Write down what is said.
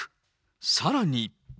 さらに。